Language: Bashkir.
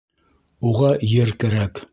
Уға ер кәрәк.